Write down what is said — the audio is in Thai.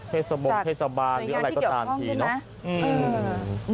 เทศบงเทศบาลหรืออะไรก็สามทีเนอะจากเจ้าหน้าที่เดี๋ยวข้องได้ไหมอืม